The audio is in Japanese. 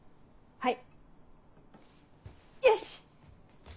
はい！